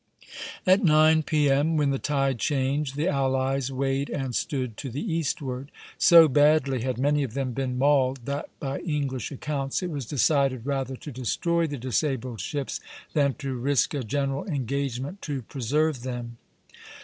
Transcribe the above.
At nine P.M., when the tide changed, the allies weighed and stood to the eastward. So badly had many of them been mauled, that, by English accounts, it was decided rather to destroy the disabled ships than to risk a general engagement to preserve them.